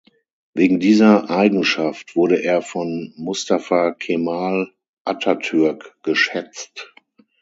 Wegen dieser Eigenschaft wurde er von Mustafa Kemal Atatürk geschätzt.